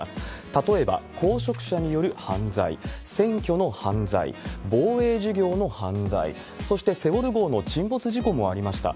例えば、公職者による犯罪、選挙の犯罪、防衛事業の犯罪、そしてセウォル号の沈没事故もありました。